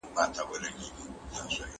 دارغنداب سیند د ژوند سرچینه ګڼل کېږي.